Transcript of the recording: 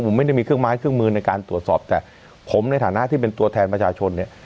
ผมไม่ได้มีเครื่องไม้เครื่องมือในการตรวจสอบแต่ผมในฐานะที่เป็นตัวแทนประชาชนเนี่ย